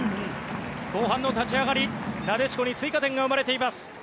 後半の立ち上がりなでしこに追加点が生まれています。